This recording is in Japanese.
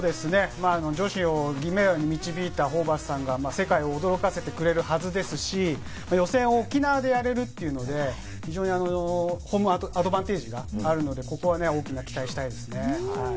女子を銀メダルに導いたホーバスさんが世界を驚かせてくれるはずですし、予選を沖縄でやれるっていうので、非常にホームアドバンテージがあるので、そこは大きな期待をしたいですね。